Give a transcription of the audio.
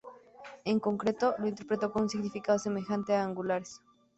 En concreto, lo interpretó con un significado semejante a "angulares".